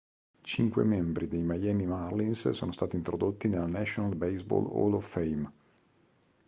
Cinque membri dei Miami Marlins sono stati introdotti nella National Baseball Hall of Fame.